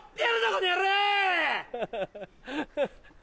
この野郎。